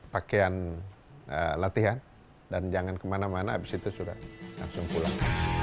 pakaian latihan dan jangan kemana mana habis itu sudah langsung pulang